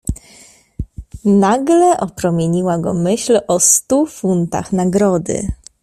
"Nagle opromieniła go myśl o stu funtach nagrody."